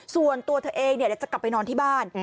ส่วนตัวเธอเองเดี๋ยวจะกลับไปนอนที่บ้าน